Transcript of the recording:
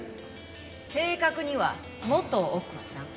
正確には元・奥さん。